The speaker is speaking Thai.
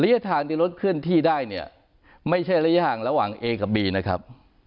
ทางที่รถเคลื่อนที่ได้เนี่ยไม่ใช่ระยะห่างระหว่างเอกับบีนะครับ